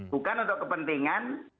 bukan untuk kepentingan